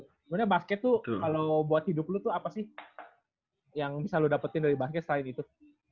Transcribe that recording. sebenarnya basket tuh kalau buat hidup lo tuh apa sih yang bisa lo dapetin dari basket selain itu